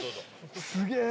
すげえ！